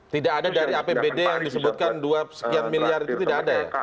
tidak ada dari apbd yang disebutkan dua sekian miliar itu tidak ada ya